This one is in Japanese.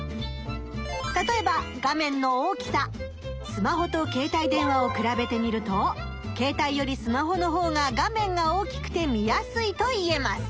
スマホと携帯電話を比べてみると携帯よりスマホのほうが画面が大きくて見やすいといえます。